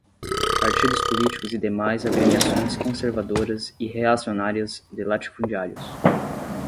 partidos políticos e demais agremiações conservadoras e reacionárias de latifundiários